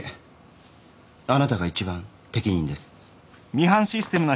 あなたが一番適任です。